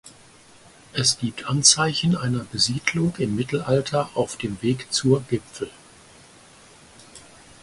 Es gibt Anzeichen einer Besiedlung im Mittelalter auf dem Weg zur Gipfel.